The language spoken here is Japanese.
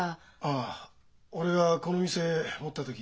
ああ俺がこの店持った時。